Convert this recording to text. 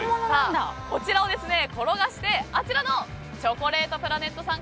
こちらを転がして、あちらのチョコレートプラネットさん